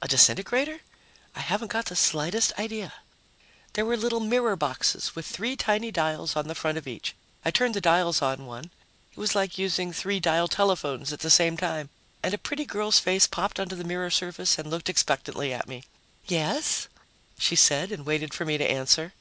A disintegrator? I haven't got the slightest idea. There were little mirror boxes with three tiny dials on the front of each. I turned the dials on one it was like using three dial telephones at the same time and a pretty girl's face popped onto the mirror surface and looked expectantly at me. "Yes?" she said, and waited for me to answer.